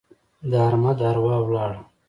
د احمد اروا ولاړه.